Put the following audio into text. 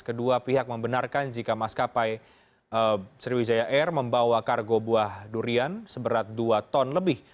kedua pihak membenarkan jika maskapai sriwijaya air membawa kargo buah durian seberat dua ton lebih